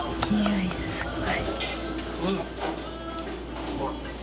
いすごい！